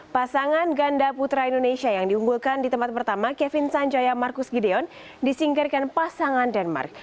pasangan ganda putra indonesia yang diunggulkan di tempat pertama kevin sanjaya marcus gideon disingkirkan pasangan denmark